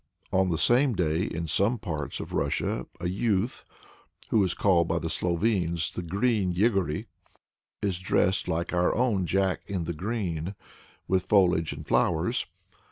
On the same day, in some parts of Russia, a youth (who is called by the Slovenes the Green Yegory) is dressed like our own "Jack in the Green," with foliage and flowers.